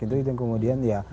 itu yang kemudian ya